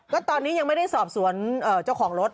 ก็ตอนนี้ยังไม่ได้สอบสวนเจ้าของรถ